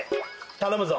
頼むぞ。